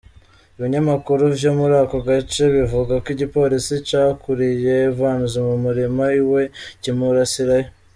Ibinyamakuru vyo muri ako gace, bivuga ko igipolisi cakurikiye Evans mu murima iwe, kimurasirayo.